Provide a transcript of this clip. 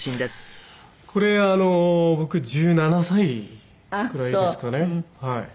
これあの僕１７歳くらいですかね。